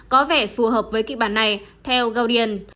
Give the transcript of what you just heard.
có vẻ phù hợp với kịch bản này theo godian